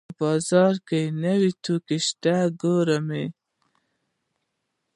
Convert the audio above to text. په بازار کې نوې توکي شته ګورم یې